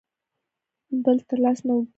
بل ته لاس نه اوږدوي.